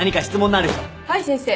はい先生。